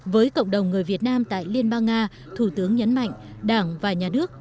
với cộng đồng người việt nam tại liên bang nga thủ tướng nhấn mạnh đảng và nhà nước